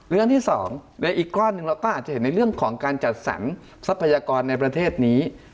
เรื่องที่๒ในอีกก้อนหนึ่งเราก็อาจจะเห็นในเรื่องของการจัดสรรทรัพยากรในประเทศนี้